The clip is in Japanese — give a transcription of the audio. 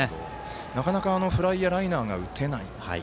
なかなかフライやライナーが打てない。